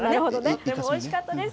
とてもおいしかったです。